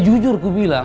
jujur aku bilang